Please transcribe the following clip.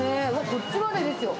こっちまでですよ。